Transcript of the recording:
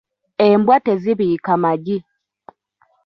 Embwa tezibiika magi.